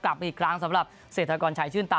กลับมาอีกครั้งสำหรับเศรษฐกรชัยชื่นตา